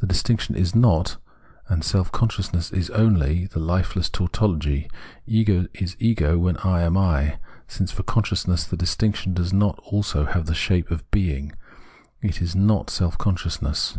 The distiuction is not, and self consciousness is only the hfeless tautology. Ego is Ego, I am I : since for self consciousness the distinction does not also have the shape of being, it is not self conscious ness.